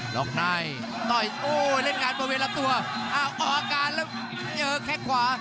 หลอกนายโอ้โหเล่นงานบริเวณรับตัวออกอาการแล้วแค้งขวา